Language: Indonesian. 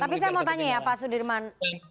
tapi saya mau tanya ya pak sudirman